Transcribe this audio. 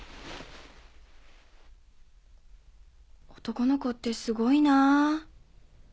男の子ってすごいなぁ。